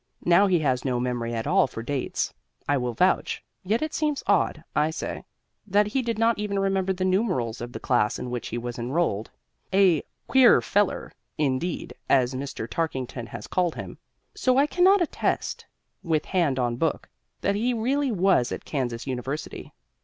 Now he has no memory at all for dates, I will vouch; yet it seems odd (I say) that he did not even remember the numerals of the class in which he was enrolled. A "queer feller," indeed, as Mr. Tarkington has called him. So I cannot attest, with hand on Book, that he really was at Kansas University.